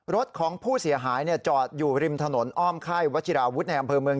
รถของผู้เสียหายจอดอยู่ริมถนนอ้อมไข้วัชิราวุฒิในอำเภอเมือง